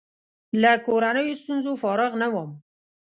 له کورنیو ستونزو فارغ نه وم.